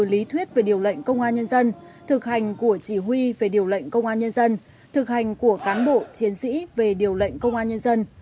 lý thuyết về điều lệnh công an nhân dân thực hành của chỉ huy về điều lệnh công an nhân dân thực hành của cán bộ chiến sĩ về điều lệnh công an nhân dân